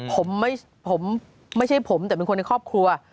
ผมไม่ใช่ผมไม่ใช่ผมแต่เป็นคนในครอบครัว